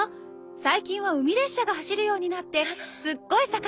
最近は海列車が走るようになってすっごい栄えてるの。